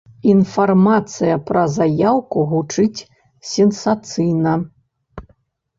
Інфармацыя пра заяўку гучыць сенсацыйна.